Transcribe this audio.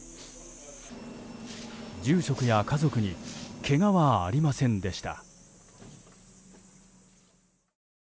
住職や家族にけがはありませんでした。